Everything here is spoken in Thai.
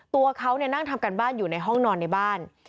ตัวเขานั่งทำการบ้านอยู่ในห้องนอนในบ้าน